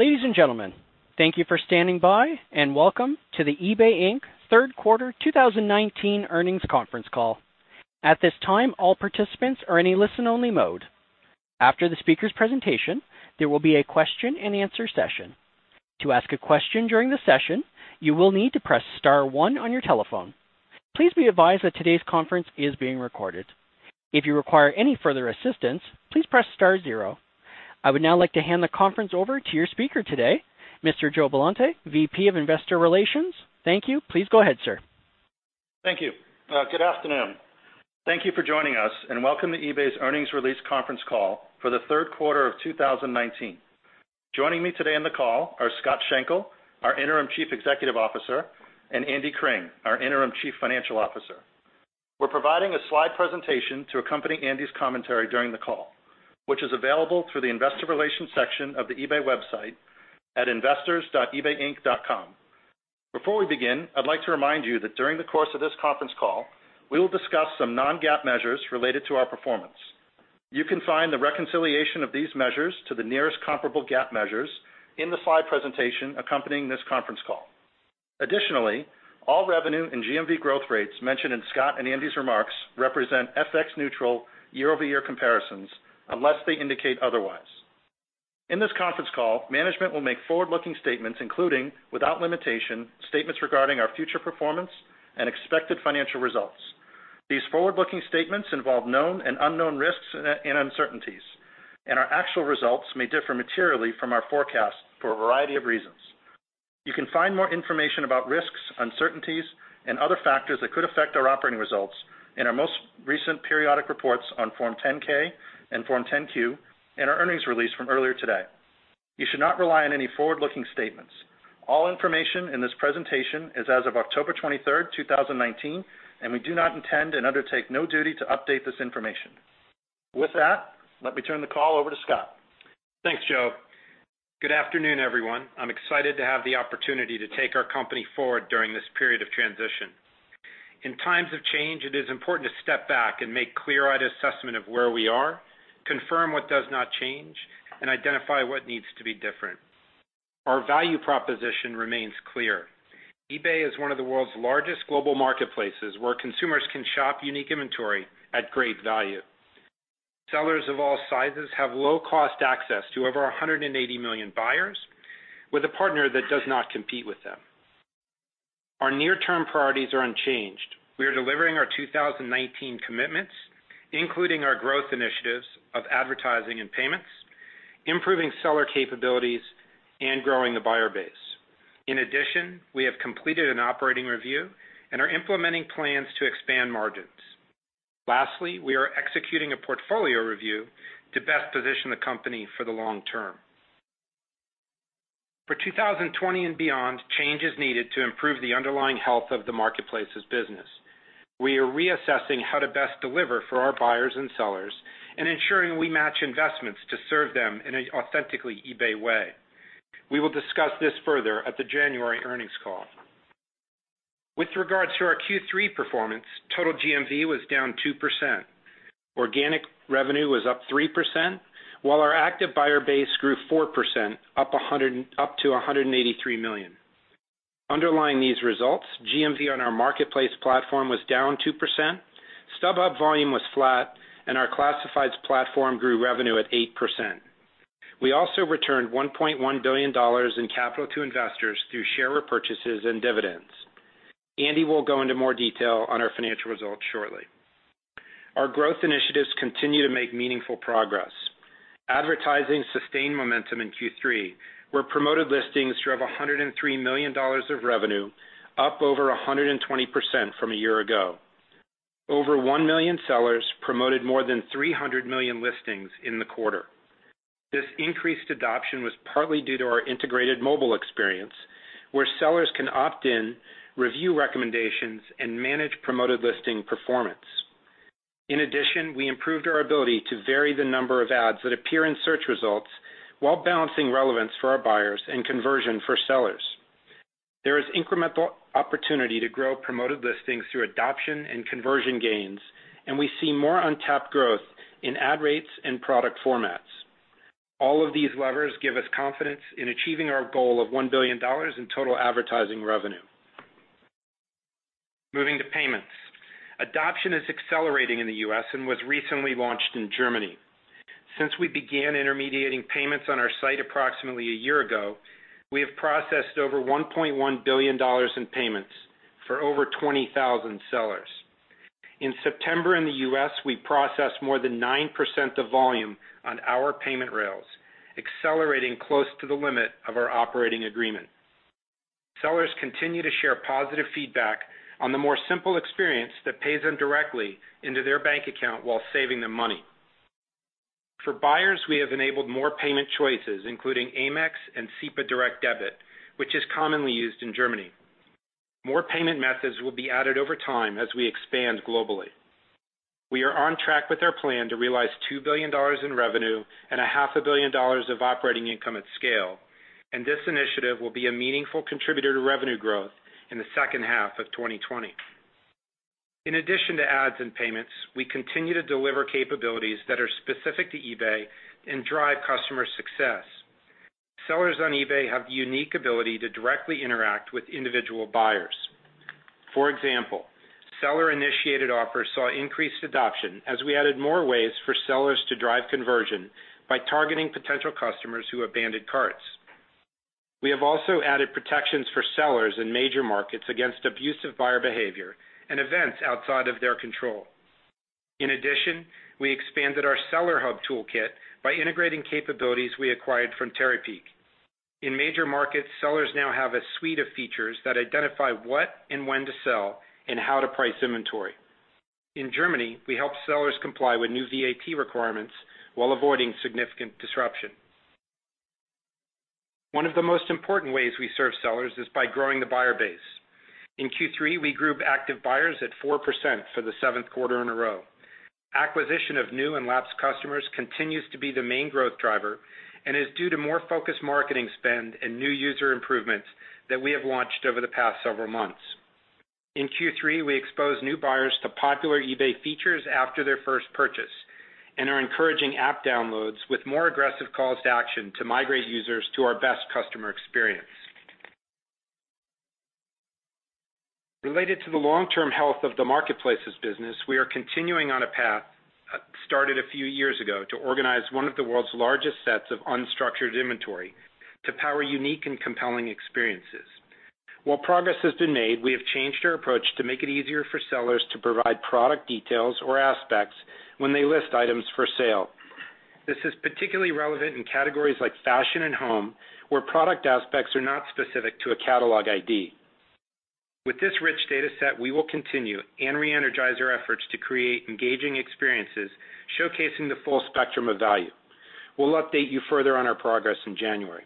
Ladies and gentlemen, thank you for standing by, welcome to the eBay Inc. Third Quarter 2019 earnings conference call. At this time, all participants are in a listen-only mode. After the speaker's presentation, there will be a question and answer session. To ask a question during the session, you will need to press star one on your telephone. Please be advised that today's conference is being recorded. If you require any further assistance, please press star zero. I would now like to hand the conference over to your speaker today, Mr. Joe Billante, VP of Investor Relations. Thank you. Please go ahead, sir. Thank you. Good afternoon. Thank you for joining us, and welcome to eBay's earnings release conference call for the third quarter of 2019. Joining me today on the call are Scott Schenkel, our Interim Chief Executive Officer, and Andy Cring, our Interim Chief Financial Officer. We're providing a slide presentation to accompany Andy's commentary during the call, which is available through the investor relations section of the eBay website at investors.ebayinc.com. Before we begin, I'd like to remind you that during the course of this conference call, we will discuss some non-GAAP measures related to our performance. You can find the reconciliation of these measures to the nearest comparable GAAP measures in the slide presentation accompanying this conference call. Additionally, all revenue and GMV growth rates mentioned in Scott and Andy's remarks represent FX neutral year-over-year comparisons, unless they indicate otherwise. In this conference call, management will make forward-looking statements, including, without limitation, statements regarding our future performance and expected financial results. These forward-looking statements involve known and unknown risks and uncertainties, and our actual results may differ materially from our forecasts for a variety of reasons. You can find more information about risks, uncertainties, and other factors that could affect our operating results in our most recent periodic reports on Form 10-K and Form 10-Q, and our earnings release from earlier today. You should not rely on any forward-looking statements. All information in this presentation is as of October 23rd, 2019, and we do not intend and undertake no duty to update this information. With that, let me turn the call over to Scott. Thanks, Joe. Good afternoon, everyone. I'm excited to have the opportunity to take our company forward during this period of transition. In times of change, it is important to step back and make clear-eyed assessment of where we are, confirm what does not change, and identify what needs to be different. Our value proposition remains clear. eBay is one of the world's largest global marketplaces where consumers can shop unique inventory at great value. Sellers of all sizes have low-cost access to over 180 million buyers, with a partner that does not compete with them. Our near-term priorities are unchanged. We are delivering our 2019 commitments, including our growth initiatives of advertising and payments, improving seller capabilities, and growing the buyer base. In addition, we have completed an operating review and are implementing plans to expand margins. Lastly, we are executing a portfolio review to best position the company for the long term. For 2020 and beyond, change is needed to improve the underlying health of the marketplace's business. We are reassessing how to best deliver for our buyers and sellers and ensuring we match investments to serve them in an authentically eBay way. We will discuss this further at the January earnings call. With regards to our Q3 performance, total GMV was down 2%. Organic revenue was up 3%, while our active buyer base grew 4%, up to 183 million. Underlying these results, GMV on our marketplace platform was down 2%, StubHub volume was flat, and our classifieds platform grew revenue at 8%. We also returned $1.1 billion in capital to investors through share repurchases and dividends. Andy will go into more detail on our financial results shortly. Our growth initiatives continue to make meaningful progress. Advertising sustained momentum in Q3, where Promoted Listings drove $103 million of revenue, up over 120% from a year ago. Over 1 million sellers promoted more than 300 million listings in the quarter. This increased adoption was partly due to our integrated mobile experience, where sellers can opt in, review recommendations, and manage Promoted Listings performance. In addition, we improved our ability to vary the number of ads that appear in search results while balancing relevance for our buyers and conversion for sellers. There is incremental opportunity to grow Promoted Listings through adoption and conversion gains, and we see more untapped growth in ad rates and product formats. All of these levers give us confidence in achieving our goal of $1 billion in total advertising revenue. Moving to payments. Adoption is accelerating in the U.S. and was recently launched in Germany. Since we began intermediating payments on our site approximately one year ago, we have processed over $1.1 billion in payments for over 20,000 sellers. In September in the U.S., we processed more than 9% of volume on our payment rails, accelerating close to the limit of our operating agreement. Sellers continue to share positive feedback on the more simple experience that pays them directly into their bank account while saving them money. For buyers, we have enabled more payment choices, including Amex and SEPA Direct Debit, which is commonly used in Germany. More payment methods will be added over time as we expand globally. We are on track with our plan to realize $2 billion in revenue and a half a billion dollars of operating income at scale. This initiative will be a meaningful contributor to revenue growth in the second half of 2020.In addition to ads and payments, we continue to deliver capabilities that are specific to eBay and drive customer success. Sellers on eBay have the unique ability to directly interact with individual buyers. For example, seller-initiated offers saw increased adoption as we added more ways for sellers to drive conversion by targeting potential customers who abandoned carts. We have also added protections for sellers in major markets against abusive buyer behavior and events outside of their control. In addition, we expanded our Seller Hub toolkit by integrating capabilities we acquired from Terapeak. In major markets, sellers now have a suite of features that identify what and when to sell and how to price inventory. In Germany, we help sellers comply with new VAT requirements while avoiding significant disruption. One of the most important ways we serve sellers is by growing the buyer base. In Q3, we grew active buyers at 4% for the seventh quarter in a row. Acquisition of new and lapsed customers continues to be the main growth driver and is due to more focused marketing spend and new user improvements that we have launched over the past several months. In Q3, we exposed new buyers to popular eBay features after their first purchase and are encouraging app downloads with more aggressive calls to action to migrate users to our best customer experience. Related to the long-term health of the marketplace's business, we are continuing on a path started a few years ago to organize one of the world's largest sets of unstructured inventory to power unique and compelling experiences. While progress has been made, we have changed our approach to make it easier for sellers to provide product details or aspects when they list items for sale. This is particularly relevant in categories like fashion and home, where product aspects are not specific to a catalog ID. With this rich data set, we will continue and re-energize our efforts to create engaging experiences showcasing the full spectrum of value. We'll update you further on our progress in January.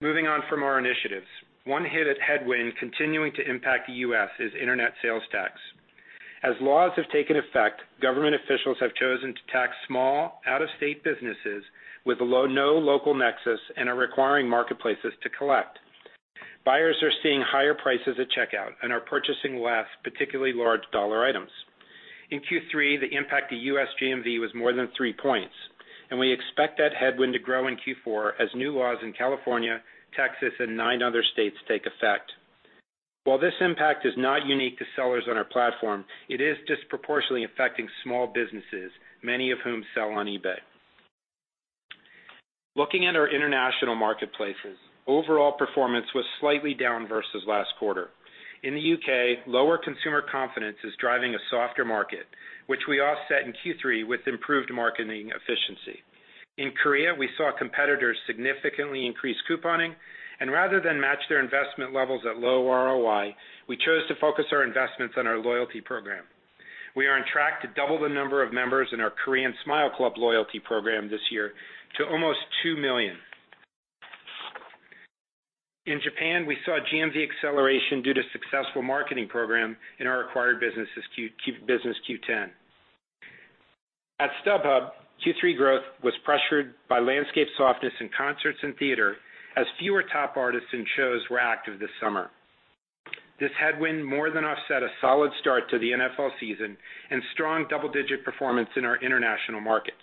Moving on from our initiatives, one headwind continuing to impact the U.S. is internet sales tax. As laws have taken effect, government officials have chosen to tax small, out-of-state businesses with no local nexus and are requiring marketplaces to collect. Buyers are seeing higher prices at checkout and are purchasing less, particularly large dollar items. In Q3, the impact to U.S. GMV was more than three points, and we expect that headwind to grow in Q4 as new laws in California, Texas, and nine other states take effect. While this impact is not unique to sellers on our platform, it is disproportionately affecting small businesses, many of whom sell on eBay. Looking at our international marketplaces, overall performance was slightly down versus last quarter. In the U.K., lower consumer confidence is driving a softer market, which we offset in Q3 with improved marketing efficiency. In Korea, we saw competitors significantly increase couponing, and rather than match their investment levels at low ROI, we chose to focus our investments on our loyalty program. We are on track to double the number of members in our Korean Smile Club loyalty program this year to almost 2 million. In Japan, we saw GMV acceleration due to successful marketing program in our acquired business, Qoo10. At StubHub, Q3 growth was pressured by landscape softness in concerts and theater as fewer top artists and shows were active this summer. This headwind more than offset a solid start to the NFL season and strong double-digit performance in our international markets.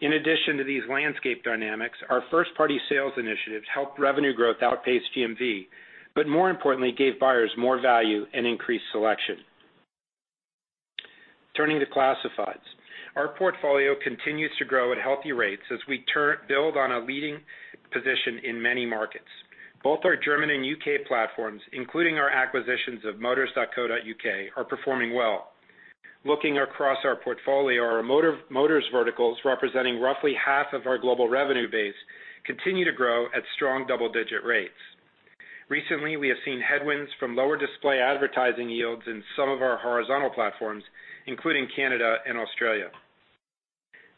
In addition to these landscape dynamics, our first-party sales initiatives helped revenue growth outpace GMV, but more importantly, gave buyers more value and increased selection. Turning to classifieds. Our portfolio continues to grow at healthy rates as we build on a leading position in many markets. Both our German and U.K. platforms, including our acquisitions of motors.co.uk, are performing well. Looking across our portfolio, our motors verticals, representing roughly half of our global revenue base, continue to grow at strong double-digit rates. Recently, we have seen headwinds from lower display advertising yields in some of our horizontal platforms, including Canada and Australia.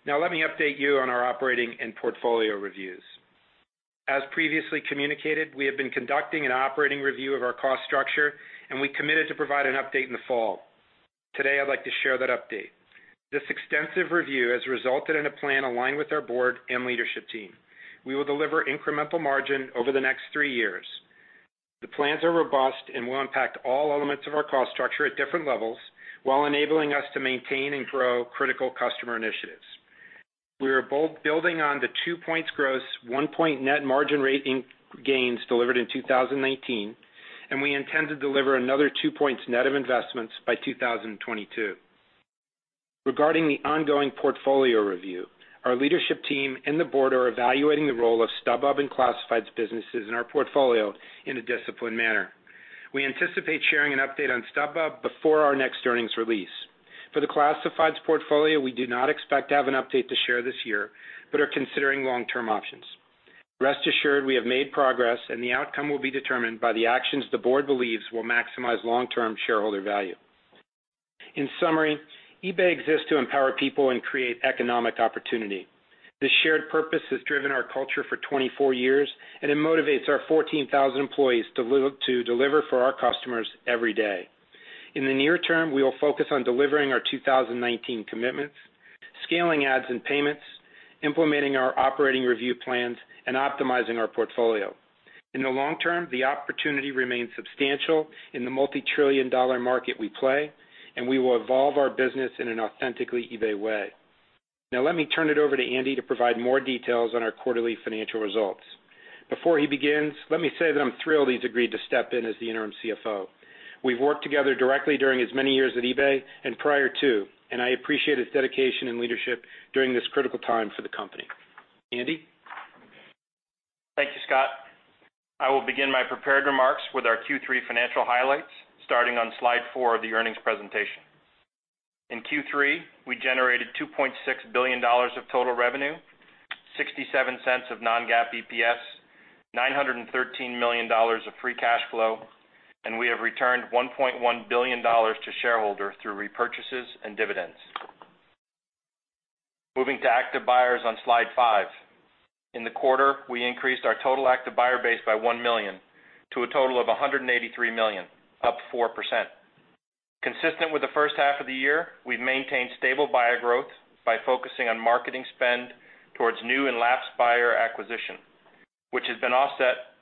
Let me update you on our operating and portfolio reviews. As previously communicated, we have been conducting an operating review of our cost structure, and we committed to provide an update in the fall. Today, I'd like to share that update. This extensive review has resulted in a plan aligned with our board and leadership team. We will deliver incremental margin over the next three years. The plans are robust and will impact all elements of our cost structure at different levels while enabling us to maintain and grow critical customer initiatives. We are building on the 2 points gross, 1 point net margin rate gains delivered in 2019, and we intend to deliver another 2 points net of investments by 2022. Regarding the ongoing portfolio review, our leadership team and the board are evaluating the role of StubHub and classifieds businesses in our portfolio in a disciplined manner. We anticipate sharing an update on StubHub before our next earnings release. For the classifieds portfolio, we do not expect to have an update to share this year, but are considering long-term options. Rest assured, we have made progress, and the outcome will be determined by the actions the board believes will maximize long-term shareholder value. In summary, eBay exists to empower people and create economic opportunity. This shared purpose has driven our culture for 24 years. It motivates our 14,000 employees to deliver for our customers every day. In the near term, we will focus on delivering our 2019 commitments, scaling ads and payments, implementing our operating review plans, and optimizing our portfolio. In the long term, the opportunity remains substantial in the multi-trillion dollar market we play. We will evolve our business in an authentically eBay way. Now, let me turn it over to Andy to provide more details on our quarterly financial results. Before he begins, let me say that I'm thrilled he's agreed to step in as the interim CFO. We've worked together directly during his many years at eBay and prior too. I appreciate his dedication and leadership during this critical time for the company. Andy? Thank you, Scott. I will begin my prepared remarks with our Q3 financial highlights, starting on slide four of the earnings presentation. In Q3, we generated $2.6 billion of total revenue, $0.67 of non-GAAP EPS, $913 million of free cash flow, and we have returned $1.1 billion to shareholders through repurchases and dividends. Moving to active buyers on slide five. In the quarter, we increased our total active buyer base by 1 million, to a total of 183 million, up 4%. Consistent with the first half of the year, we've maintained stable buyer growth by focusing on marketing spend towards new and lapsed buyer acquisition, which has been offset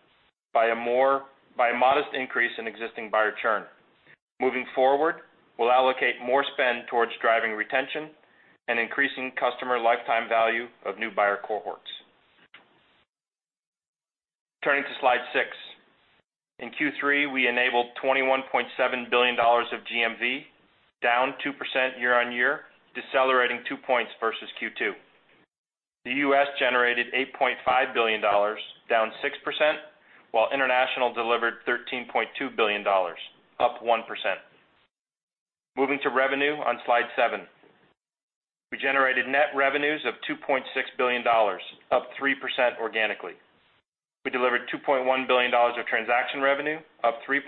by a modest increase in existing buyer churn. Moving forward, we'll allocate more spend towards driving retention and increasing customer lifetime value of new buyer cohorts. Turning to slide six. In Q3, we enabled $21.7 billion of GMV, down 2% year-on-year, decelerating two points versus Q2. The U.S. generated $8.5 billion, down 6%, while international delivered $13.2 billion, up 1%. Moving to revenue on slide seven. We generated net revenues of $2.6 billion, up 3% organically. We delivered $2.1 billion of transaction revenue, up 3%,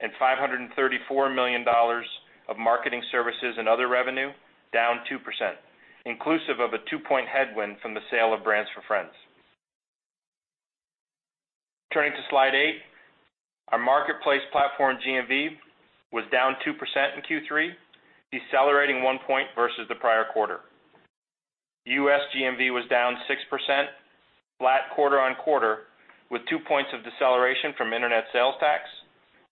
and $534 million of marketing services and other revenue, down 2%, inclusive of a two-point headwind from the sale of brands4friends. Turning to slide eight. Our marketplace platform GMV was down 2% in Q3, decelerating one point versus the prior quarter. U.S. GMV was down 6%, flat quarter-on-quarter, with two points of deceleration from internet sales tax,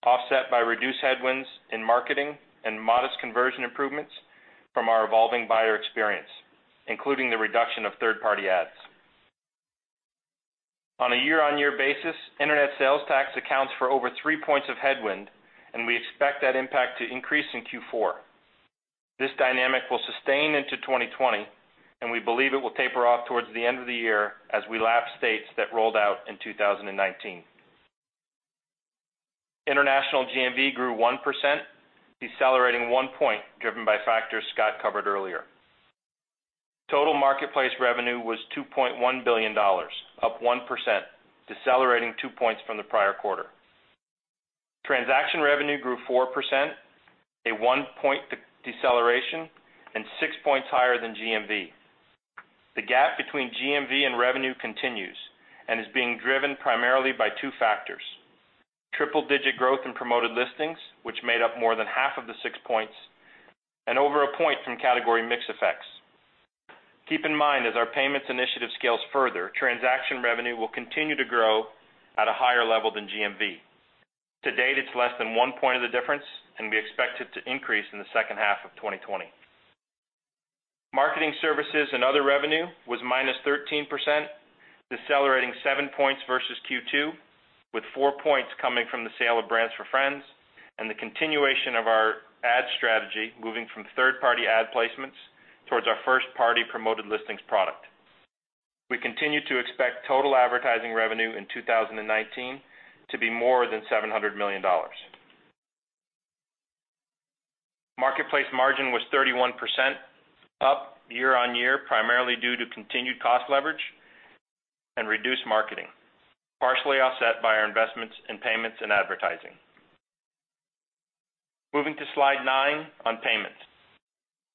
offset by reduced headwinds in marketing and modest conversion improvements from our evolving buyer experience, including the reduction of third-party ads. On a year-on-year basis, internet sales tax accounts for over three points of headwind, and we expect that impact to increase in Q4. This dynamic will sustain into 2020, and we believe it will taper off towards the end of the year as we lapse states that rolled out in 2019. International GMV grew 1%, decelerating one point, driven by factors Scott covered earlier. Total marketplace revenue was $2.1 billion, up 1%, decelerating two points from the prior quarter. Transaction revenue grew 4%, a one-point deceleration, and six points higher than GMV. The gap between GMV and revenue continues and is being driven primarily by two factors. Triple-digit growth in Promoted Listings, which made up more than half of the six points, and over a point from category mix effects. Keep in mind, as our payments initiative scales further, transaction revenue will continue to grow at a higher level than GMV. To date, it's less than one point of the difference, and we expect it to increase in the second half of 2020. Marketing services and other revenue was -13%, decelerating seven points versus Q2, with four points coming from the sale of brands4friends and the continuation of our ad strategy, moving from third-party ad placements towards our first-party Promoted Listings product. We continue to expect total advertising revenue in 2019 to be more than $700 million. Marketplace margin was 31% up year-on-year, primarily due to continued cost leverage and reduced marketing, partially offset by our investments in payments and advertising. Moving to slide nine on payments.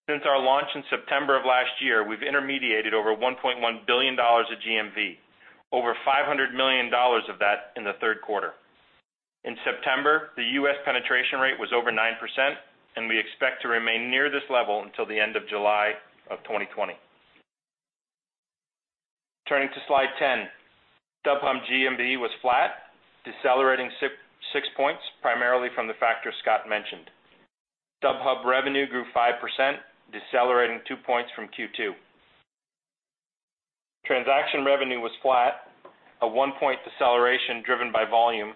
Since our launch in September of last year, we've intermediated over $1.1 billion of GMV, over $500 million of that in the third quarter. In September, the U.S. penetration rate was over 9%, and we expect to remain near this level until the end of July of 2020. Turning to slide 10. StubHub GMV was flat, decelerating six points, primarily from the factors Scott mentioned. StubHub revenue grew 5%, decelerating two points from Q2. Transaction revenue was flat, a one-point deceleration driven by volume,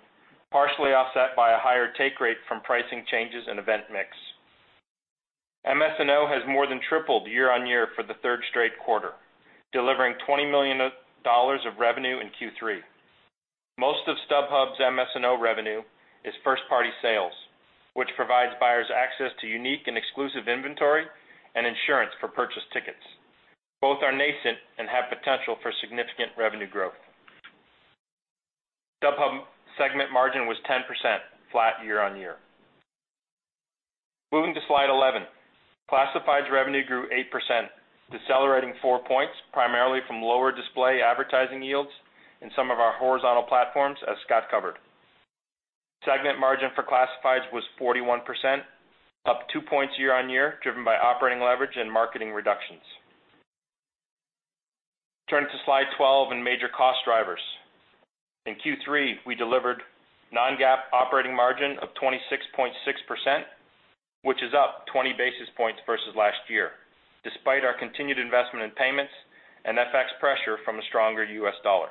partially offset by a higher take rate from pricing changes and event mix. MS&O has more than tripled year-on-year for the third straight quarter, delivering $20 million of revenue in Q3. Most of StubHub's MS&O revenue is first-party sales, which provides buyers access to unique and exclusive inventory and insurance for purchase tickets. Both are nascent and have potential for significant revenue growth. StubHub segment margin was 10%, flat year-on-year. Moving to slide 11. Classifieds revenue grew 8%, decelerating four points, primarily from lower display advertising yields in some of our horizontal platforms, as Scott covered. Segment margin for classifieds was 41%, up two points year-on-year, driven by operating leverage and marketing reductions. Turning to Slide 12 and major cost drivers. In Q3, we delivered non-GAAP operating margin of 26.6%, which is up 20 basis points versus last year, despite our continued investment in payments and FX pressure from a stronger U.S. dollar.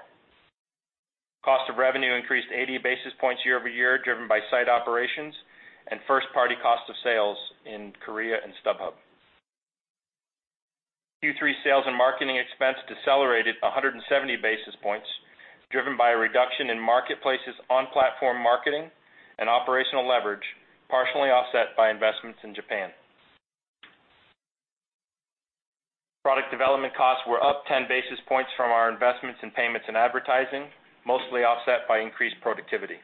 Cost of revenue increased 80 basis points year-over-year, driven by site operations and first-party cost of sales in Korea and StubHub. Q3 sales and marketing expense decelerated 170 basis points, driven by a reduction in marketplaces on platform marketing and operational leverage, partially offset by investments in Japan. Product development costs were up 10 basis points from our investments in payments and advertising, mostly offset by increased productivity.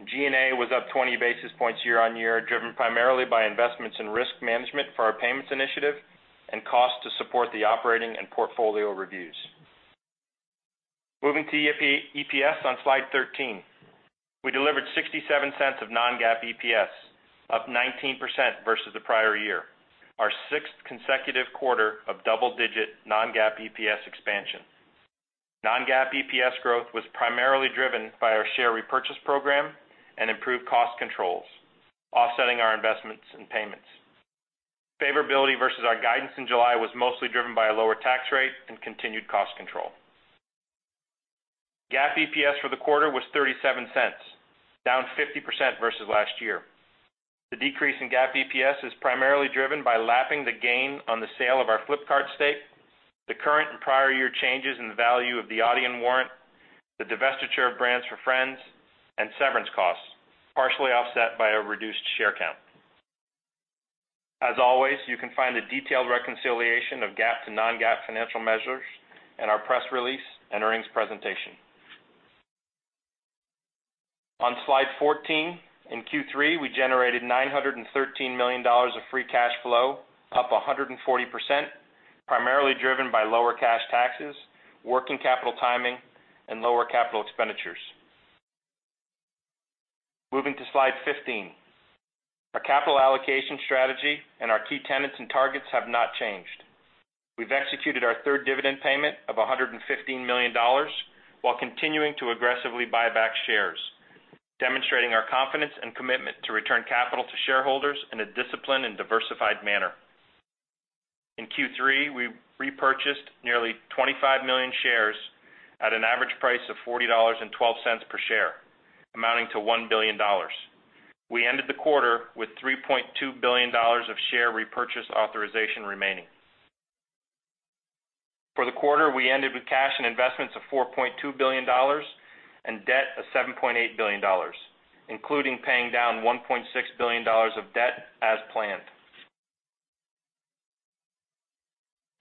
G&A was up 20 basis points year-on-year, driven primarily by investments in risk management for our payments initiative and cost to support the operating and portfolio reviews. Moving to EPS on Slide 13. We delivered $0.67 of non-GAAP EPS, up 19% versus the prior year, our sixth consecutive quarter of double-digit non-GAAP EPS expansion. Non-GAAP EPS growth was primarily driven by our share repurchase program and improved cost controls, offsetting our investments in payments. Favorability versus our guidance in July was mostly driven by a lower tax rate and continued cost control. GAAP EPS for the quarter was $0.37, down 50% versus last year. The decrease in GAAP EPS is primarily driven by lapping the gain on the sale of our Flipkart stake, the current and prior year changes in the value of the Adyen warrant, the divestiture of brands4friends, and severance costs, partially offset by a reduced share count. As always, you can find a detailed reconciliation of GAAP to non-GAAP financial measures in our press release and earnings presentation. On Slide 14, in Q3, we generated $913 million of free cash flow, up 140%, primarily driven by lower cash taxes, working capital timing, and lower capital expenditures. Moving to Slide 15. Our capital allocation strategy and our key tenets and targets have not changed. We've executed our third dividend payment of $115 million while continuing to aggressively buy back shares, demonstrating our confidence and commitment to return capital to shareholders in a disciplined and diversified manner. In Q3, we repurchased nearly 25 million shares at an average price of $40.12 per share, amounting to $1 billion. We ended the quarter with $3.2 billion of share repurchase authorization remaining. For the quarter, we ended with cash and investments of $4.2 billion and debt of $7.8 billion, including paying down $1.6 billion of debt as planned.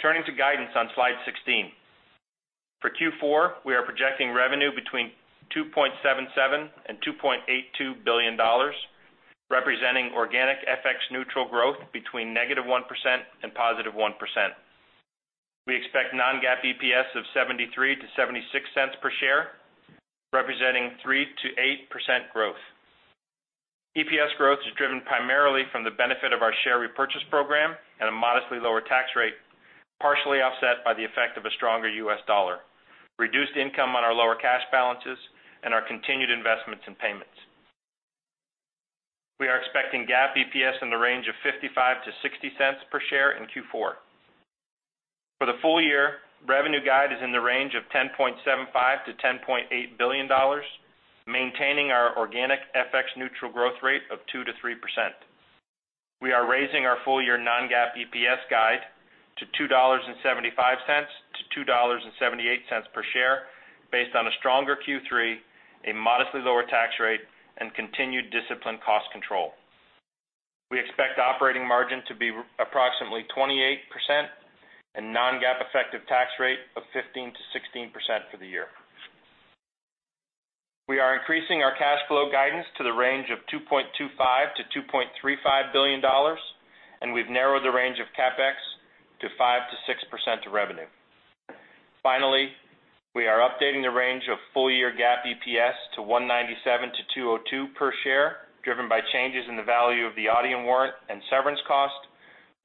Turning to guidance on Slide 16. For Q4, we are projecting revenue between $2.77 billion and $2.82 billion, representing organic FX neutral growth between -1% and +1%. We expect non-GAAP EPS of $0.73 to $0.76 per share, representing 3% to 8% growth. EPS growth is driven primarily from the benefit of our share repurchase program and a modestly lower tax rate, partially offset by the effect of a stronger U.S. dollar, reduced income on our lower cash balances, and our continued investments in payments. We are expecting GAAP EPS in the range of $0.55-$0.60 per share in Q4. For the full year, revenue guide is in the range of $10.75 billion-$10.8 billion, maintaining our organic FX neutral growth rate of 2%-3%. We are raising our full-year non-GAAP EPS guide to $2.75-$2.78 per share based on a stronger Q3, a modestly lower tax rate, and continued disciplined cost control. We expect operating margin to be approximately 28% and non-GAAP effective tax rate of 15%-16% for the year. We are increasing our cash flow guidance to the range of $2.25 billion-$2.35 billion, and we've narrowed the range of CapEx to 5%-6% of revenue. Finally, we are updating the range of full-year GAAP EPS to $1.97-$2.02 per share, driven by changes in the value of the Adyen warrant and severance cost,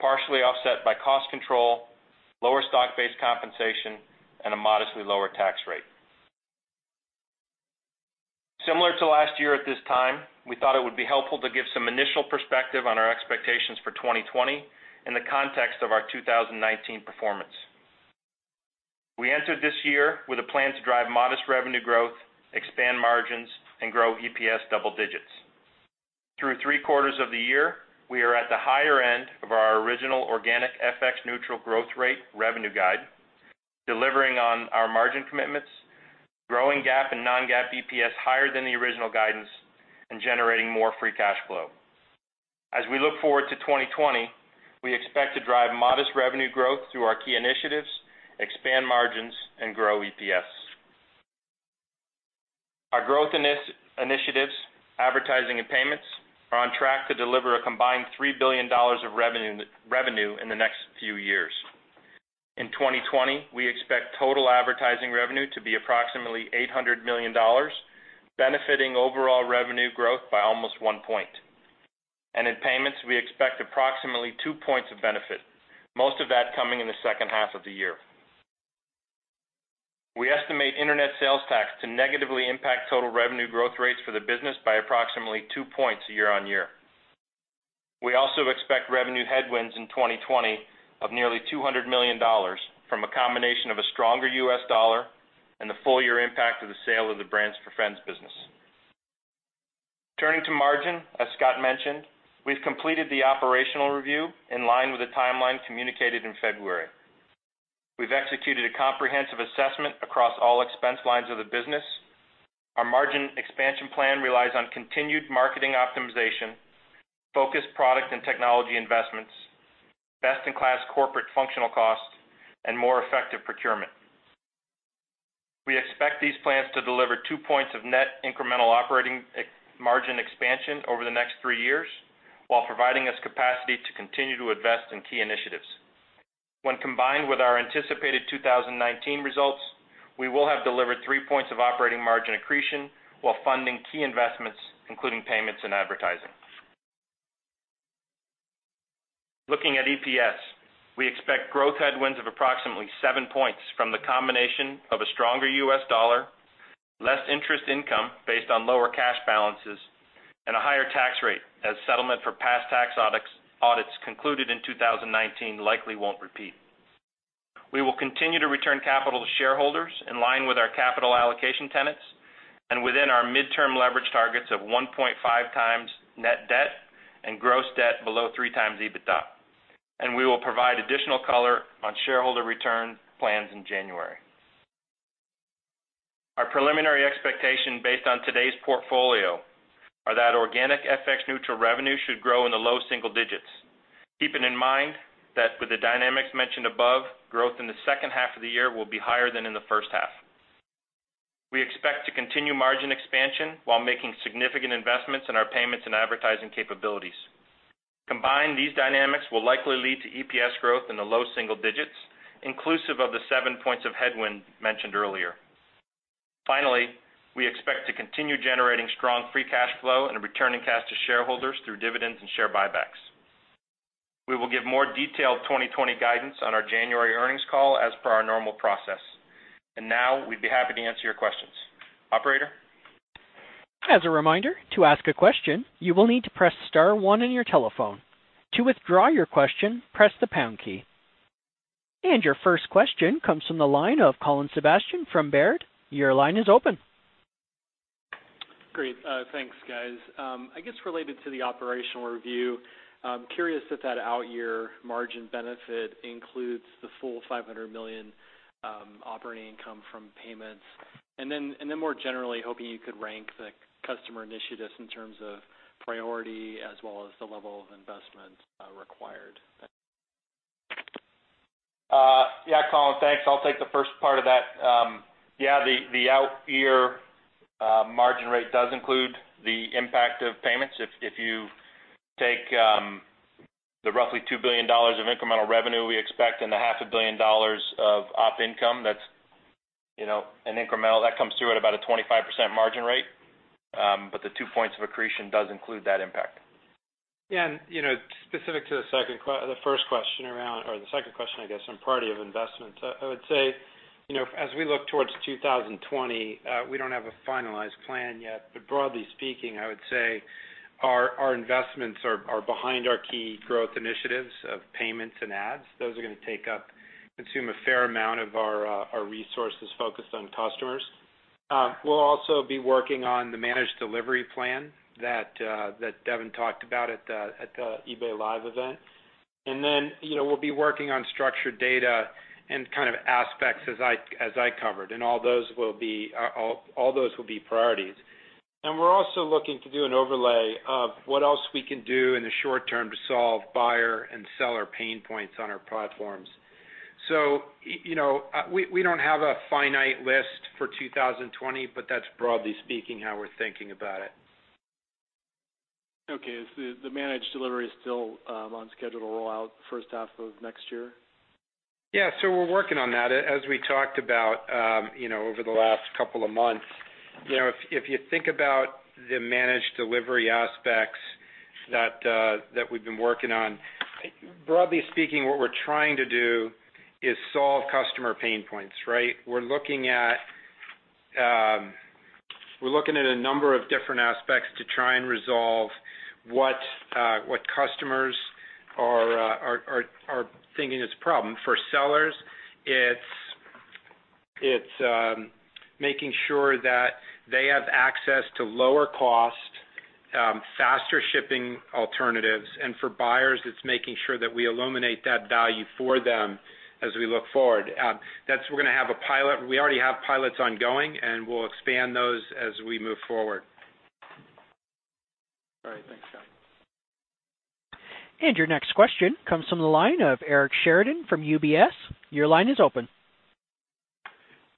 partially offset by cost control, lower stock-based compensation, and a modestly lower tax rate. Similar to last year at this time, we thought it would be helpful to give some initial perspective on our expectations for 2020 in the context of our 2019 performance. We entered this year with a plan to drive modest revenue growth, expand margins, and grow EPS double digits. Through three quarters of the year, we are at the higher end of our original organic FX neutral growth rate revenue guide, delivering on our margin commitments, growing GAAP and non-GAAP EPS higher than the original guidance, and generating more free cash flow. As we look forward to 2020, we expect to drive modest revenue growth through our key initiatives, expand margins, and grow EPS. Our growth initiatives, advertising and payments, are on track to deliver a combined $3 billion of revenue in the next few years. In 2020, we expect total advertising revenue to be approximately $800 million, benefiting overall revenue growth by almost one point. In payments, we expect approximately two points of benefit, most of that coming in the second half of the year. We estimate internet sales tax to negatively impact total revenue growth rates for the business by approximately two points year-on-year. We also expect revenue headwinds in 2020 of nearly $200 million from a combination of a stronger U.S. dollar and the full year impact of the sale of the brands4friends business. Turning to margin, as Scott mentioned, we've completed the operational review in line with the timeline communicated in February. We've executed a comprehensive assessment across all expense lines of the business. Our margin expansion plan relies on continued marketing optimization, focused product and technology investments, best-in-class corporate functional costs, and more effective procurement. We expect these plans to deliver two points of net incremental operating margin expansion over the next three years, while providing us capacity to continue to invest in key initiatives. When combined with our anticipated 2019 results, we will have delivered three points of operating margin accretion while funding key investments, including payments and advertising. Looking at EPS, we expect growth headwinds of approximately seven points from the combination of a stronger U.S. dollar, less interest income based on lower cash balances, and a higher tax rate as settlement for past tax audits concluded in 2019 likely won't repeat. We will continue to return capital to shareholders in line with our capital allocation tenets and within our midterm leverage targets of 1.5 times net debt and gross debt below three times EBITDA. We will provide additional color on shareholder return plans in January. Our preliminary expectation, based on today's portfolio, are that organic FX-neutral revenue should grow in the low single digits, keeping in mind that with the dynamics mentioned above, growth in the second half of the year will be higher than in the first half. We expect to continue margin expansion while making significant investments in our payments and advertising capabilities. Combined, these dynamics will likely lead to EPS growth in the low single digits, inclusive of the seven points of headwind mentioned earlier. Finally, we expect to continue generating strong free cash flow and returning cash to shareholders through dividends and share buybacks. We will give more detailed 2020 guidance on our January earnings call as per our normal process. Now we'd be happy to answer your questions. Operator? As a reminder, to ask a question, you will need to press star one on your telephone. To withdraw your question, press the pound key. Your first question comes from the line of Colin Sebastian from Baird. Your line is open. Great. Thanks, guys. I guess related to the operational review, I'm curious if that out year margin benefit includes the full $500 million operating income from payments. More generally, hoping you could rank the customer initiatives in terms of priority as well as the level of investment required. Yeah, Colin, thanks. I'll take the first part of that. Yeah, the out year margin rate does include the impact of payments. If you take the roughly $2 billion of incremental revenue we expect, and the half a billion dollars of Op income, that's an incremental. That comes through at about a 25% margin rate. The 2 points of accretion does include that impact. Specific to the first question around, or the second question, I guess, on priority of investments, I would say, as we look towards 2020, we don't have a finalized plan yet, but broadly speaking, I would say our investments are behind our key growth initiatives of payments and ads. Those are going to take up, consume a fair amount of our resources focused on customers. We'll also be working on the Managed Delivery plan that Devin talked about at the eBay Live event. We'll be working on structured data and kind of aspects as I covered, and all those will be priorities. We're also looking to do an overlay of what else we can do in the short term to solve buyer and seller pain points on our platforms. We don't have a finite list for 2020, but that's broadly speaking, how we're thinking about it. Okay. Is the Managed Delivery still on schedule to roll out the first half of next year? We're working on that. As we talked about over the last couple of months, if you think about the Managed Delivery aspects that we've been working on, broadly speaking, what we're trying to do is solve customer pain points, right? We're looking at a number of different aspects to try and resolve what customers are thinking is a problem. For sellers, it's making sure that they have access to lower cost, faster shipping alternatives. For buyers, it's making sure that we illuminate that value for them as we look forward. We already have pilots ongoing, and we'll expand those as we move forward. All right. Thanks, Scott. Your next question comes from the line of Eric Sheridan from UBS. Your line is open.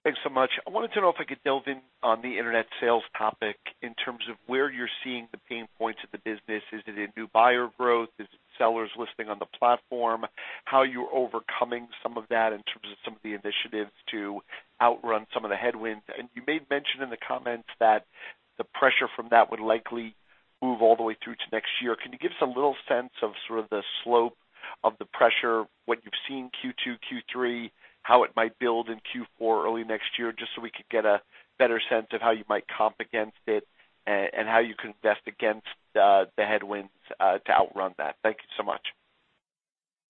Thanks so much. I wanted to know if I could delve in on the internet sales tax topic in terms of where you're seeing the pain points of the business. Is it in new buyer growth? Is it sellers listing on the platform? How you're overcoming some of that in terms of some of the initiatives to outrun some of the headwinds. You made mention in the comments that the pressure from that would likely move all the way through to next year. Can you give us a little sense of sort of the slope of the pressure, what you've seen Q2, Q3, how it might build in Q4 early next year, just so we could get a better sense of how you might comp against it and how you can invest against the headwinds, to outrun that. Thank you so much.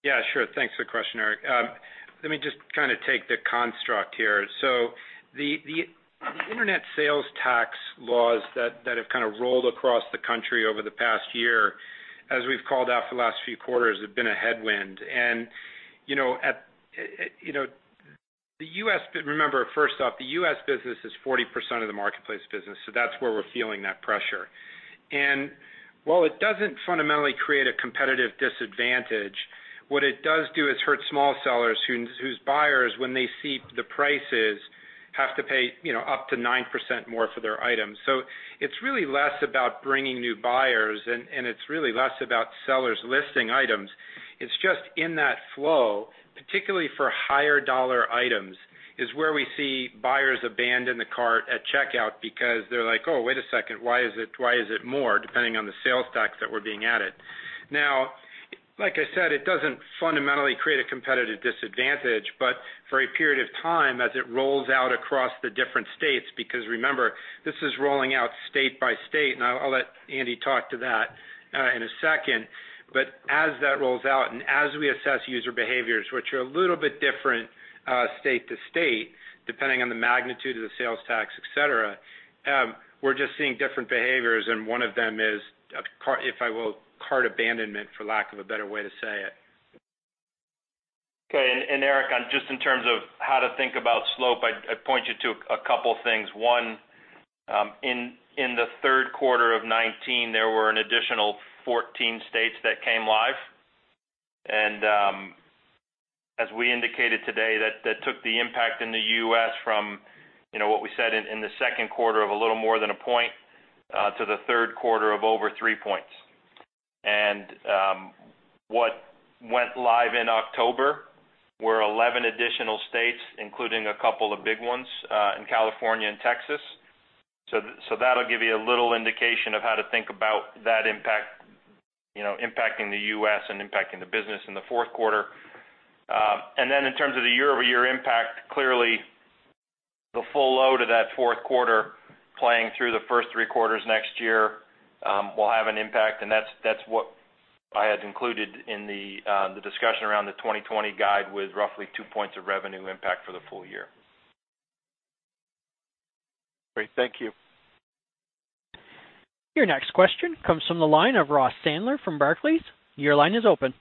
Yeah, sure. Thanks for the question, Eric. Let me just take the construct here. The internet sales tax laws that have kind of rolled across the country over the past year, as we've called out for the last few quarters, have been a headwind. Remember, first off, the U.S. business is 40% of the marketplace business, so that's where we're feeling that pressure. While it doesn't fundamentally create a competitive disadvantage, what it does do is hurt small sellers whose buyers, when they see the prices, have to pay up to 9% more for their items. It's really less about bringing new buyers, and it's really less about sellers listing items. It's just in that flow, particularly for higher dollar items, is where we see buyers abandon the cart at checkout because they're like, "Oh, wait a second. Why is it more, depending on the sales tax that we're being added. Like I said, it doesn't fundamentally create a competitive disadvantage, but for a period of time, as it rolls out across the different states, because remember, this is rolling out state by state, and I'll let Andy talk to that in a second. As that rolls out and as we assess user behaviors, which are a little bit different state to state, depending on the magnitude of the sales tax, et cetera, we're just seeing different behaviors, and one of them is, if I will, cart abandonment, for lack of a better way to say it. Okay. Eric, just in terms of how to think about slope, I'd point you to a couple things. One, in the third quarter of 2019, there were an additional 14 states that came live, and as we indicated today, that took the impact in the U.S. from what we said in the second quarter of a little more than a point, to the third quarter of over three points. What went live in October were 11 additional states, including a couple of big ones, in California and Texas. That'll give you a little indication of how to think about that impacting the U.S. and impacting the business in the fourth quarter. In terms of the year-over-year impact, clearly the full load of that fourth quarter playing through the first three quarters next year will have an an impact, and that's what I had included in the discussion around the 2020 guide with roughly two points of revenue impact for the full year. Great. Thank you. Your next question comes from the line of Ross Sandler from Barclays. Your line is open.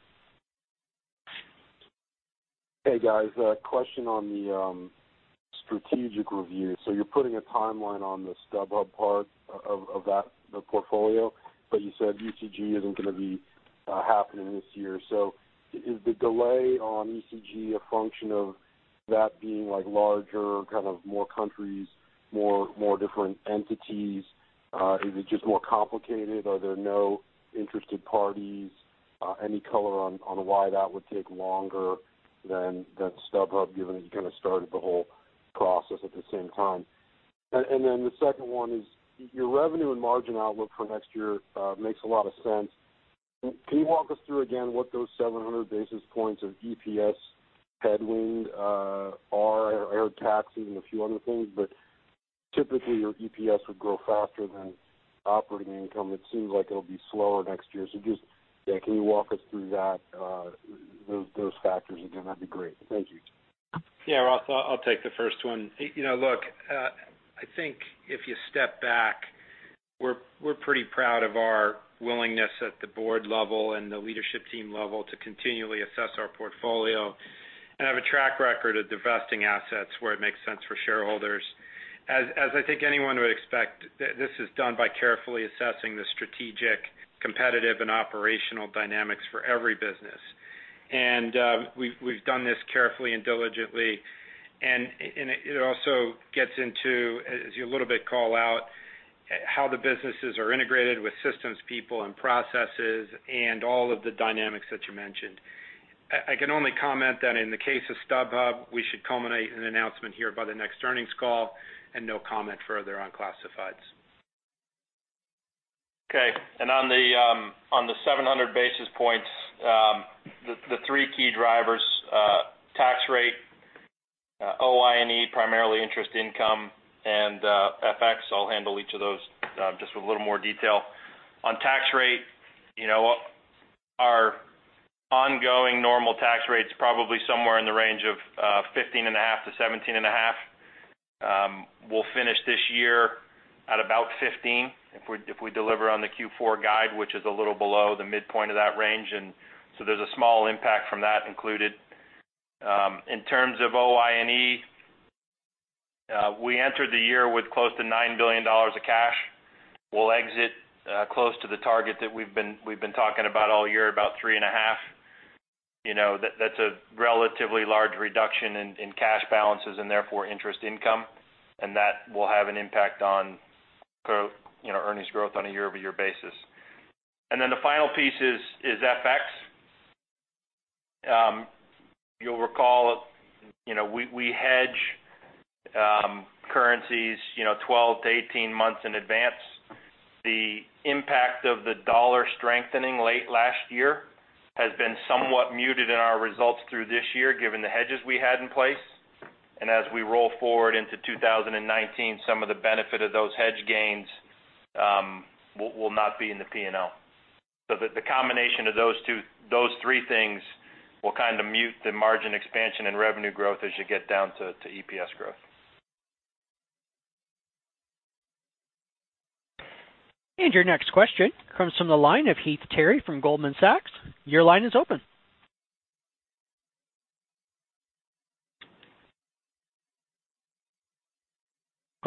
Hey, guys. A question on the strategic review. You're putting a timeline on the StubHub part of that portfolio, but you said ECG isn't going to be happening this year. Is the delay on ECG a function of that being larger, kind of more countries, more different entities? Is it just more complicated? Are there no interested parties? Any color on why that would take longer than StubHub, given that you kind of started the whole process at the same time? The second one is, your revenue and margin outlook for next year makes a lot of sense. Can you walk us through again what those 700 basis points of EPS headwind are? Air taxes and a few other things, typically, your EPS would grow faster than operating income. It seems like it'll be slower next year. Just, yeah, can you walk us through those factors again? That'd be great. Thank you. Yeah, Ross, I'll take the first one. Look, I think if you step back, we're pretty proud of our willingness at the board level and the leadership team level to continually assess our portfolio and have a track record of divesting assets where it makes sense for shareholders. As I think anyone would expect, this is done by carefully assessing the strategic, competitive, and operational dynamics for every business. We've done this carefully and diligently, and it also gets into, as you a little bit call out, how the businesses are integrated with systems, people, and processes, and all of the dynamics that you mentioned. I can only comment that in the case of StubHub, we should culminate an announcement here by the next earnings call, and no comment further on classifieds. Okay. On the 700 basis points, the three key drivers, tax rate, OINE, primarily interest income, and FX, I'll handle each of those just with a little more detail. On tax rate, our ongoing normal tax rate's probably somewhere in the range of 15.5%-17.5%. We'll finish this year at about 15% if we deliver on the Q4 guide, which is a little below the midpoint of that range, there's a small impact from that included. In terms of OINE, we entered the year with close to $9 billion of cash. We'll exit close to the target that we've been talking about all year, about three and a half. That's a relatively large reduction in cash balances and therefore interest income, and that will have an impact on earnings growth on a year-over-year basis. The final piece is FX. You'll recall, we hedge currencies 12 to 18 months in advance. The impact of the dollar strengthening late last year has been somewhat muted in our results through this year, given the hedges we had in place. As we roll forward into 2019, some of the benefit of those hedge gains will not be in the P&L. The combination of those three things will mute the margin expansion and revenue growth as you get down to EPS growth. Your next question comes from the line of Heath Terry from Goldman Sachs. Your line is open.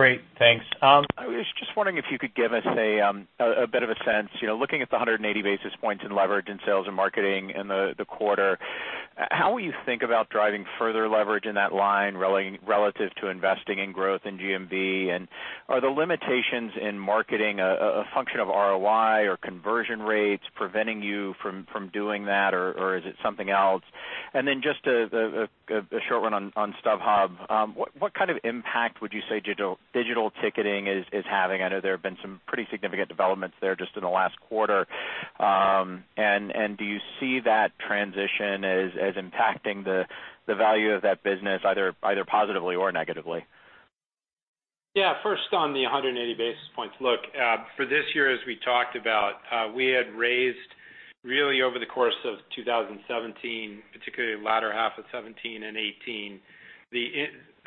Great. Thanks. I was just wondering if you could give us a bit of a sense, looking at the 180 basis points in leverage in sales and marketing in the quarter, how will you think about driving further leverage in that line relative to investing in growth in GMV? Are the limitations in marketing a function of ROI or conversion rates preventing you from doing that, or is it something else? Just a short one on StubHub. What kind of impact would you say digital ticketing is having? I know there have been some pretty significant developments there just in the last quarter. Do you see that transition as impacting the value of that business, either positively or negatively? Yeah. On the 180 basis points. Look, for this year, as we talked about, we had raised really over the course of 2017, particularly latter half of 2017 and 2018,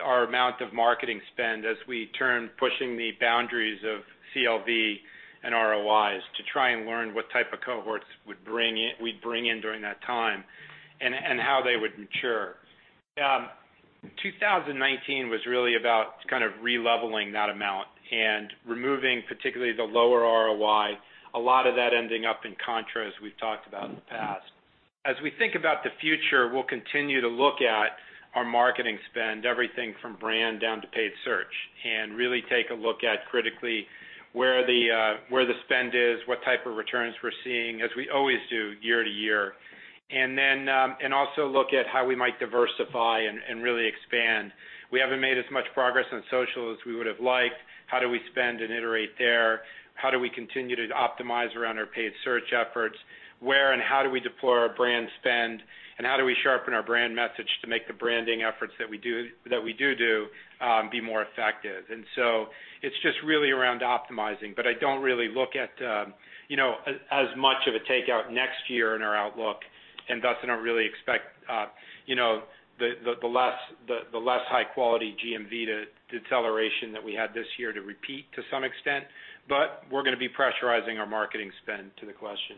our amount of marketing spend as we turn, pushing the boundaries of CLV and ROIs to try and learn what type of cohorts we'd bring in during that time and how they would mature. 2019 was really about kind of re-leveling that amount and removing particularly the lower ROI, a lot of that ending up in contra, as we've talked about in the past. As we think about the future, we'll continue to look at our marketing spend, everything from brand down to paid search, and really take a look at critically where the spend is, what type of returns we're seeing, as we always do year-over-year, and also look at how we might diversify and really expand. We haven't made as much progress on social as we would've liked. How do we spend and iterate there? How do we continue to optimize around our paid search efforts? Where and how do we deploy our brand spend, and how do we sharpen our brand message to make the branding efforts that we do be more effective? It's just really around optimizing, but I don't really look at as much of a takeout next year in our outlook, and thus I don't really expect the less high-quality GMV deceleration that we had this year to repeat to some extent. We're going to be pressurizing our marketing spend to the question.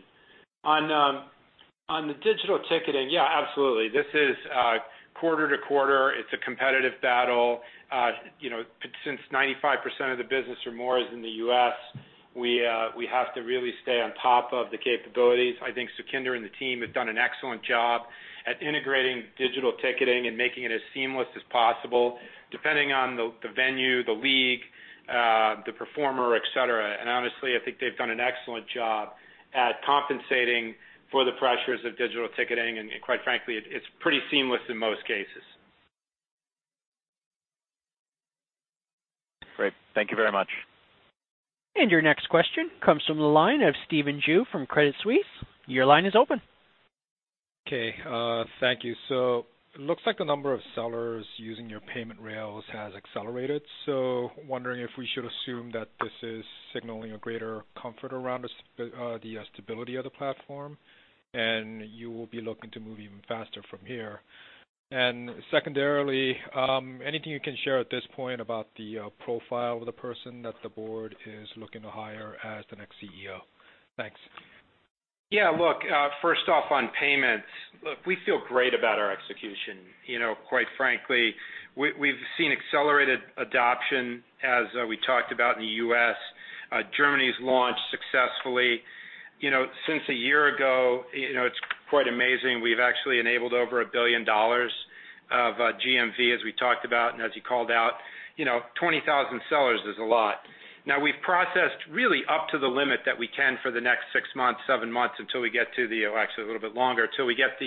On the digital ticketing, yeah, absolutely. This is quarter to quarter. It's a competitive battle. Since 95% of the business or more is in the U.S., we have to really stay on top of the capabilities. I think Sukhinder and the team have done an excellent job at integrating digital ticketing and making it as seamless as possible, depending on the venue, the league, the performer, et cetera. Honestly, I think they've done an excellent job at compensating for the pressures of digital ticketing. Quite frankly, it's pretty seamless in most cases. Great. Thank you very much. Your next question comes from the line of Stephen Ju from Credit Suisse. Your line is open. Okay, thank you. It looks like the number of sellers using your payment rails has accelerated. Wondering if we should assume that this is signaling a greater comfort around the stability of the platform, and you will be looking to move even faster from here. Secondarily, anything you can share at this point about the profile of the person that the board is looking to hire as the next CEO? Thanks. Look, first off on payments. Look, we feel great about our execution. Quite frankly, we've seen accelerated adoption, as we talked about in the U.S. Germany's launched successfully. Since a year ago, it's quite amazing. We've actually enabled over $1 billion of GMV, as we talked about and as you called out. 20,000 sellers is a lot. We've processed really up to the limit that we can for the next six months, seven months, actually a little bit longer, till we get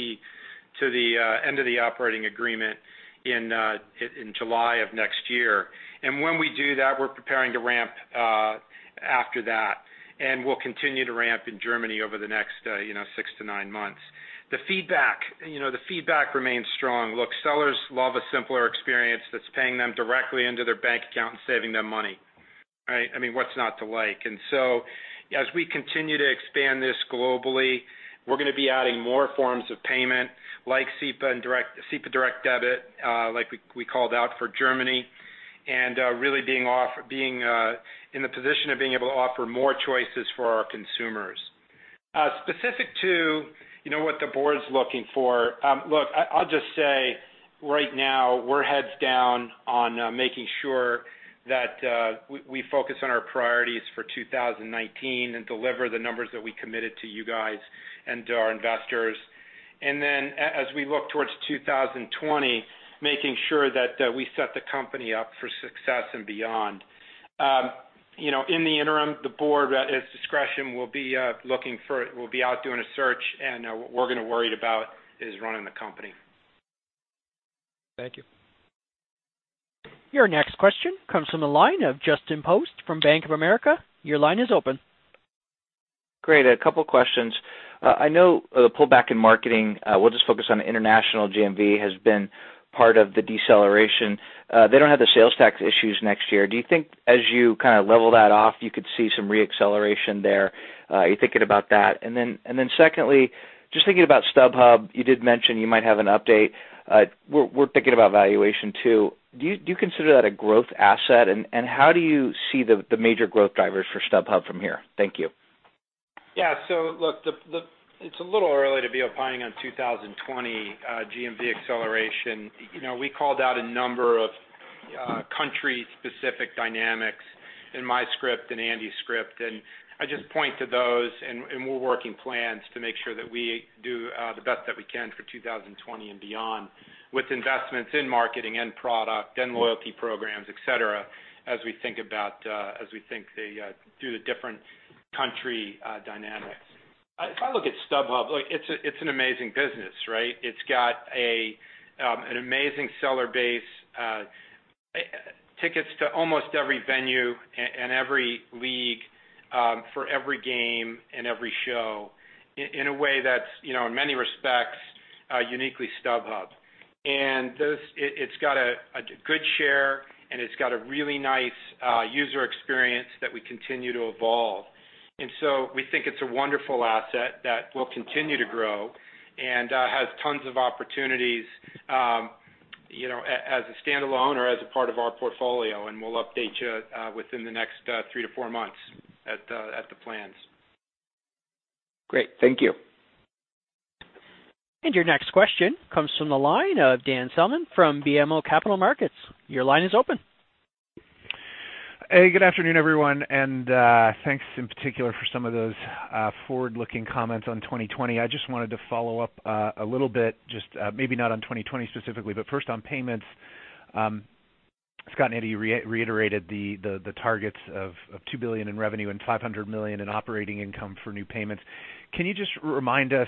to the end of the operating agreement in July of next year. When we do that, we're preparing to ramp after that, and we'll continue to ramp in Germany over the next six to nine months. The feedback remains strong. Look, sellers love a simpler experience that's paying them directly into their bank account and saving them money, right. I mean, what's not to like? As we continue to expand this globally, we're going to be adding more forms of payment like SEPA Direct Debit, like we called out for Germany, and really being in the position of being able to offer more choices for our consumers. Specific to what the board's looking for, look, I'll just say. Right now, we're heads down on making sure that we focus on our priorities for 2019 and deliver the numbers that we committed to you guys and to our investors. As we look towards 2020, making sure that we set the company up for success and beyond. In the interim, the board, at its discretion, we'll be out doing a search, and what we're going to worry about is running the company. Thank you. Your next question comes from the line of Justin Post from Bank of America. Your line is open. Great. A couple questions. I know the pullback in marketing, we'll just focus on international GMV has been part of the deceleration. They don't have the internet sales tax issues next year. Do you think as you kind of level that off, you could see some re-acceleration there? Are you thinking about that? Secondly, just thinking about StubHub, you did mention you might have an update. We're thinking about valuation too. Do you consider that a growth asset, and how do you see the major growth drivers for StubHub from here? Thank you. Yeah. Look, it's a little early to be opining on 2020 GMV acceleration. We called out a number of country-specific dynamics in my script, in Andy's script. I just point to those, and we're working plans to make sure that we do the best that we can for 2020 and beyond, with investments in marketing and product and loyalty programs, et cetera, as we think through the different country dynamics. If I look at StubHub, it's an amazing business, right? It's got an amazing seller base, tickets to almost every venue and every league, for every game and every show in a way that's, in many respects, uniquely StubHub. It's got a good share, and it's got a really nice user experience that we continue to evolve. We think it's a wonderful asset that will continue to grow and has tons of opportunities as a standalone or as a part of our portfolio, and we'll update you within the next three to four months at the plans. Great. Thank you. Your next question comes from the line of Dan Salmon from BMO Capital Markets. Your line is open. Hey, good afternoon, everyone, thanks in particular for some of those forward-looking comments on 2020. I just wanted to follow up a little bit, just maybe not on 2020 specifically, first on payments. Scott and Andy reiterated the targets of $2 billion in revenue and $500 million in operating income for new payments. Can you just remind us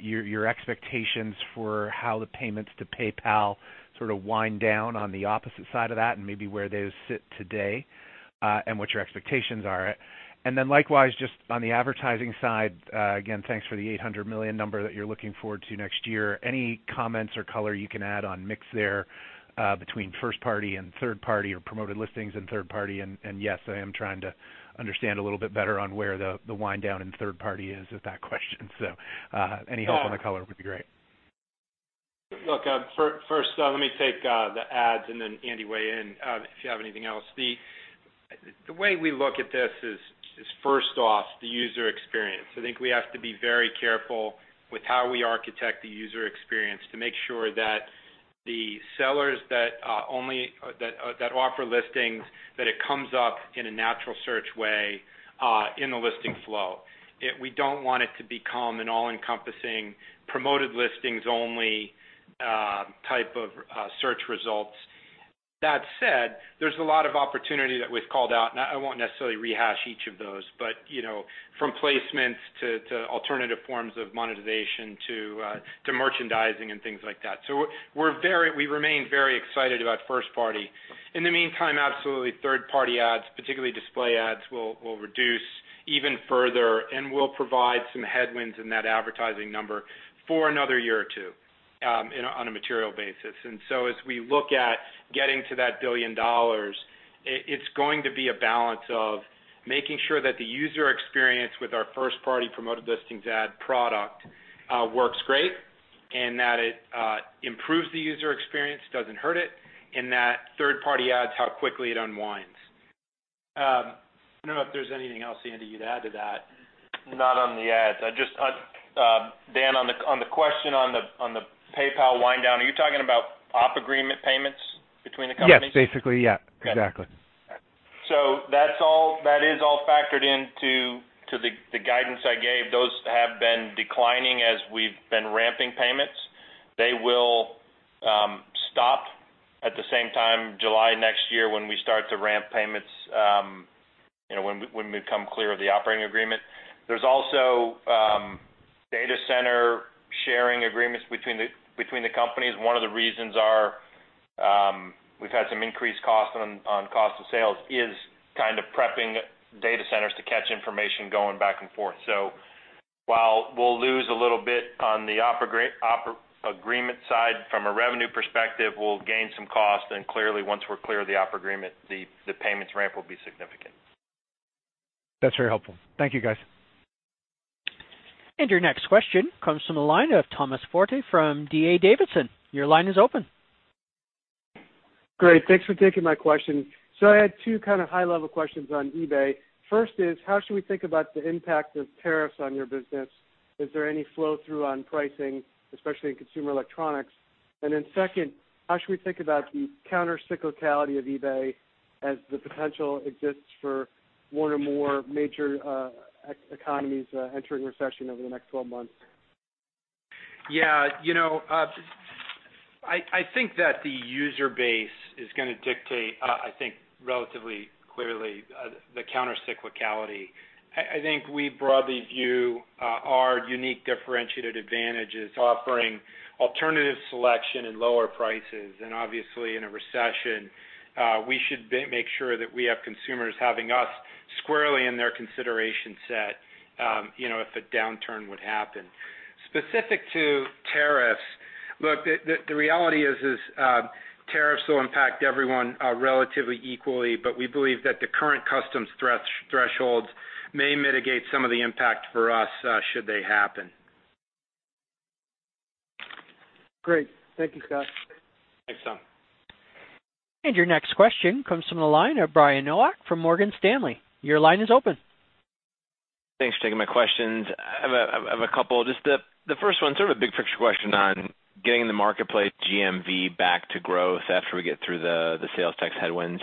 your expectations for how the payments to PayPal sort of wind down on the opposite side of that, maybe where those sit today, what your expectations are? Likewise, just on the advertising side, again, thanks for the $800 million number that you're looking forward to next year. Any comments or color you can add on mix there between first party and third party or Promoted Listings and third party, yes, I am trying to understand a little bit better on where the wind down in third party is of that question. Any help on the color would be great. Look, first let me take the ads and then Andy weigh in if you have anything else. The way we look at this is first off, the user experience. I think we have to be very careful with how we architect the user experience to make sure that the sellers that offer listings, that it comes up in a natural search way in the listing flow. We don't want it to become an all-encompassing Promoted Listings only type of search results. That said, there's a lot of opportunity that we've called out, and I won't necessarily rehash each of those, but from placements to alternative forms of monetization to merchandising and things like that. We remain very excited about first party. In the meantime, absolutely third-party ads, particularly display ads, will reduce even further and will provide some headwinds in that advertising number for another year or two on a material basis. As we look at getting to that $1 billion, it's going to be a balance of making sure that the user experience with our first-party Promoted Listings ad product works great and that it improves the user experience, doesn't hurt it, and that third-party ads, how quickly it unwinds. I don't know if there's anything else, Andy, you'd add to that. Not on the ads. Dan, on the question on the PayPal wind down, are you talking about op agreement payments between the companies? Yes. Basically, yeah. Exactly. That is all factored into the guidance I gave. Those have been declining as we've been ramping payments. They will stop at the same time July next year when we start to ramp payments, when we've come clear of the operating agreement. There's also data center sharing agreements between the companies. One of the reasons we've had some increased cost on cost of sales is kind of prepping data centers to catch information going back and forth. While we'll lose a little bit on the op agreement side from a revenue perspective, we'll gain some cost, and clearly once we're clear of the op agreement, the payments ramp will be significant. That's very helpful. Thank you, guys. Your next question comes from the line of Thomas Forte from D.A. Davidson. Your line is open. Great. Thanks for taking my question. I had two kind of high-level questions on eBay. First is, how should we think about the impact of tariffs on your business? Is there any flow-through on pricing, especially in consumer electronics? Second, how should we think about the counter-cyclicality of eBay as the potential exists for one or more major economies entering recession over the next 12 months? Yeah. I think that the user base is going to dictate, I think, relatively clearly the counter-cyclicality. I think we broadly view our unique differentiated advantage as offering alternative selection and lower prices. Obviously, in a recession, we should make sure that we have consumers having us squarely in their consideration set if a downturn would happen. Specific to tariffs, look, the reality is, tariffs will impact everyone relatively equally, but we believe that the current customs thresholds may mitigate some of the impact for us should they happen. Great. Thank you, Scott. Thanks, Tom. Your next question comes from the line of Brian Nowak from Morgan Stanley. Your line is open. Thanks for taking my questions. I have a couple. Just the first one, sort of a big-picture question on getting the marketplace GMV back to growth after we get through the internet sales tax headwinds.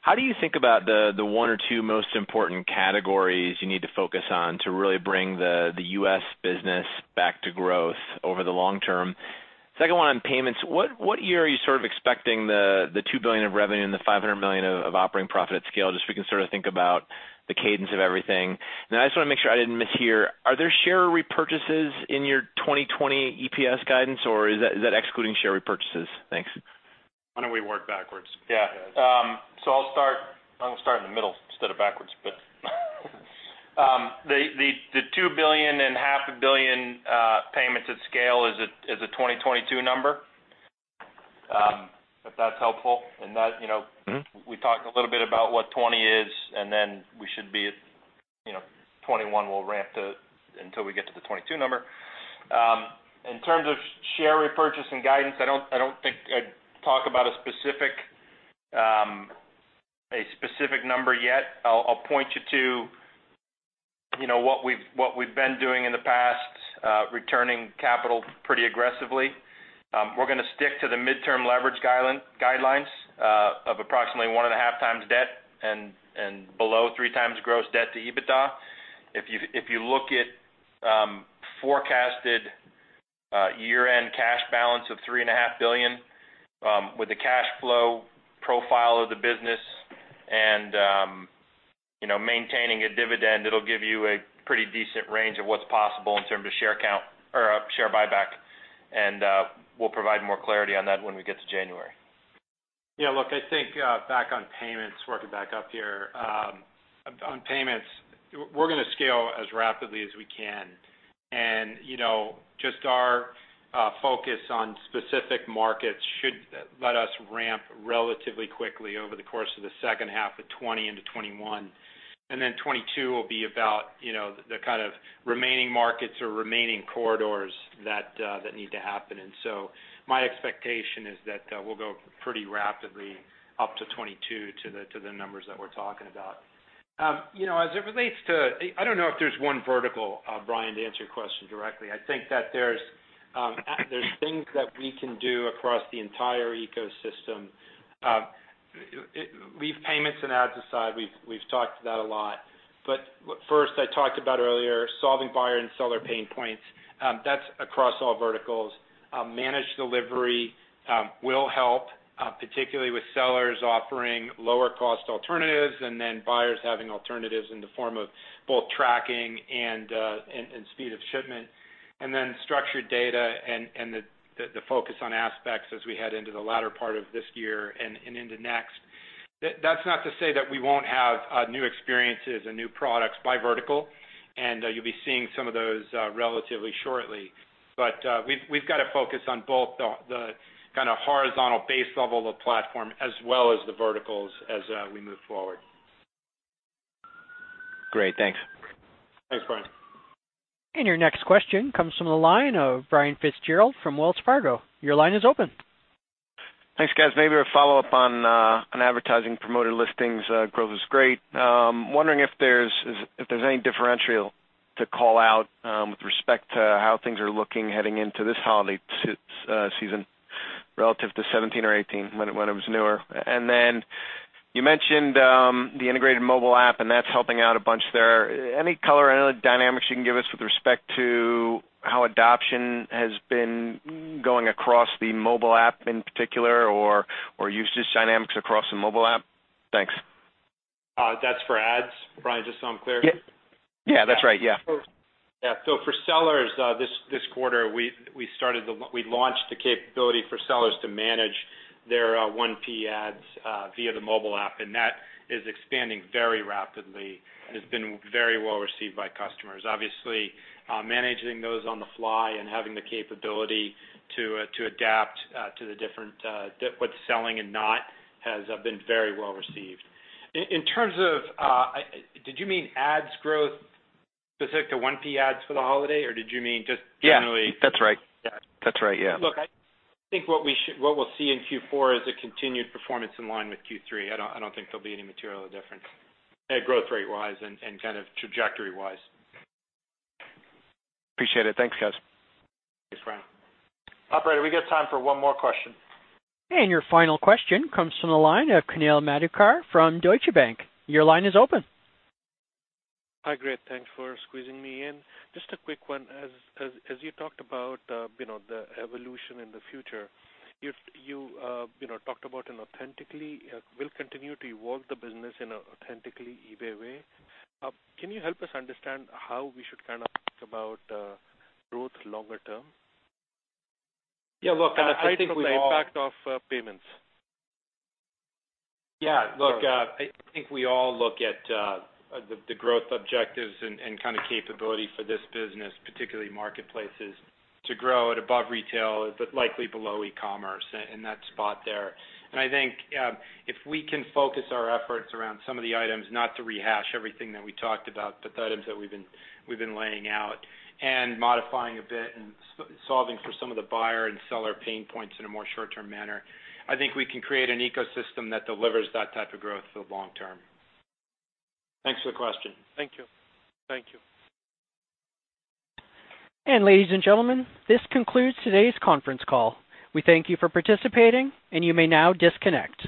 How do you think about the one or two most important categories you need to focus on to really bring the U.S. business back to growth over the long term? Second one on payments, what year are you sort of expecting the $2 billion of revenue and the $500 million of operating profit at scale, just so we can sort of think about the cadence of everything? Then I just want to make sure I didn't mishear, are there share repurchases in your 2020 EPS guidance, or is that excluding share repurchases? Thanks. Why don't we work backwards? Yeah. I'll start in the middle instead of backwards, but the $2 billion and half a billion payments at scale is a 2022 number, if that's helpful. We talked a little bit about what 2020 is, then we should be at 2021 we'll ramp until we get to the 2022 number. In terms of share repurchase and guidance, I don't think I'd talk about a specific number yet. I'll point you to what we've been doing in the past, returning capital pretty aggressively. We're going to stick to the midterm leverage guidelines of approximately one and a half times debt and below three times gross debt to EBITDA. If you look at forecasted year-end cash balance of $3.5 billion, with the cash flow profile of the business and maintaining a dividend, it'll give you a pretty decent range of what's possible in terms of share buyback. We'll provide more clarity on that when we get to January. Look, I think back on payments, working back up here. On payments, we're going to scale as rapidly as we can. Just our focus on specific markets should let us ramp relatively quickly over the course of the second half of 2020 into 2021. Then 2022 will be about the kind of remaining markets or remaining corridors that need to happen in. My expectation is that we'll go pretty rapidly up to 2022 to the numbers that we're talking about. As it relates to, I don't know if there's one vertical, Brian, to answer your question directly. I think that there's things that we can do across the entire ecosystem. Leave payments and ads aside, we've talked to that a lot. First, I talked about earlier solving buyer and seller pain points. That's across all verticals. Managed Delivery will help, particularly with sellers offering lower-cost alternatives, buyers having alternatives in the form of both tracking and speed of shipment. Structured data and the focus on aspects as we head into the latter part of this year and into next. That's not to say that we won't have new experiences and new products by vertical, you'll be seeing some of those relatively shortly. We've got to focus on both the kind of horizontal base level of platform as well as the verticals as we move forward. Great. Thanks. Thanks, Brian. Your next question comes from the line of Brian Fitzgerald from Wells Fargo. Your line is open. Thanks, guys. Maybe a follow-up on advertising Promoted Listings growth is great. Wondering if there's any differential to call out with respect to how things are looking heading into this holiday season relative to 2017 or 2018 when it was newer. You mentioned the integrated mobile app, and that's helping out a bunch there. Any color, any other dynamics you can give us with respect to how adoption has been going across the mobile app in particular, or usage dynamics across the mobile app? Thanks. That's for ads, Brian, just so I'm clear? Yeah. That's right, yeah. Yeah. For sellers this quarter, we launched the capability for sellers to manage their 1P ads via the mobile app, and that is expanding very rapidly and has been very well received by customers. Obviously, managing those on the fly and having the capability to adapt to what's selling and not has been very well received. In terms of, did you mean ads growth specific to 1P ads for the holiday, or did you mean just generally? Yeah. That's right. Yeah. That's right, yeah. Look, I think what we'll see in Q4 is a continued performance in line with Q3. I don't think there'll be any material difference growth rate-wise and kind of trajectory-wise. Appreciate it. Thanks, guys. Thanks, Brian. Operator, we got time for one more question. Your final question comes from the line of Kunal Madhukar from Deutsche Bank. Your line is open. Hi. Great. Thanks for squeezing me in. Just a quick one. As you talked about the evolution in the future, you talked about will continue to evolve the business in an authentically eBay way. Can you help us understand how we should kind of think about growth longer term? Yeah, look. Aside from the impact of payments. Look, I think we all look at the growth objectives and kind of capability for this business, particularly marketplaces, to grow at above retail, but likely below e-commerce in that spot there. I think if we can focus our efforts around some of the items, not to rehash everything that we talked about, but the items that we've been laying out and modifying a bit and solving for some of the buyer and seller pain points in a more short-term manner, I think we can create an ecosystem that delivers that type of growth for the long term. Thanks for the question. Thank you. Ladies and gentlemen, this concludes today's conference call. We thank you for participating, and you may now disconnect.